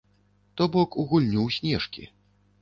То бок у гульню ў снежкі.